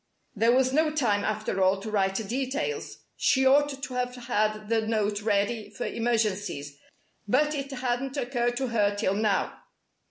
There was no time, after all, to write details. She ought to have had the note ready for emergencies, but it hadn't occurred to her till now.